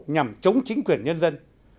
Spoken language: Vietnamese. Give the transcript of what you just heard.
nhằm chống chính quyền nhân dân